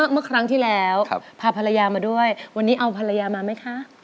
เมื่อครั้งที่แล้วพาภรรยามาด้วยวันนี้เอาภรรยามาไหมคะ